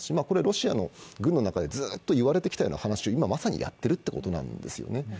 これ、ロシアの軍の中でずっと言われてきた話を今まさにやっているということなんですよね。